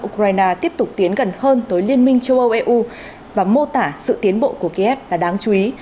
ukraine tiếp tục tiến gần hơn tới liên minh châu âu eu và mô tả sự tiến bộ của kiev là đáng chú ý